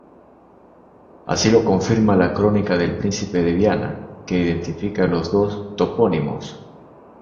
Así lo confirma la crónica del Príncipe de Viana que identifica los dos topónimos.